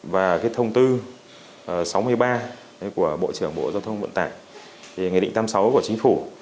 và thông tư sáu mươi ba của bộ trưởng bộ giao thông vận tải thì nghị định tám mươi sáu của chính phủ